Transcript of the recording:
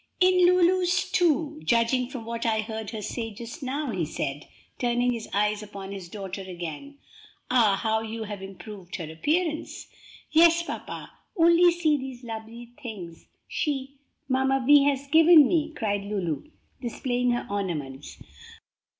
"In Lulu's, too, judging from what I heard her say just now," he said, turning his eyes upon his daughter again. "Ah, how you have improved her appearance!" "Yes, papa, only see these lovely things she Mamma Vi has given me!" cried Lulu, displaying her ornaments.